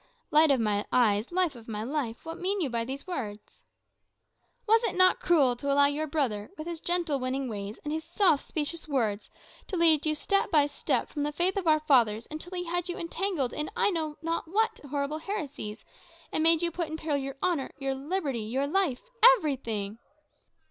"Light of my eyes, life of my life, what mean you by these words?" "Was it not cruel to allow your brother, with his gentle, winning ways, and his soft specious words, to lead you step by step from the faith of our fathers, until he had you entangled in I know not what horrible heresies, and made you put in peril your honour, your liberty, your life everything?"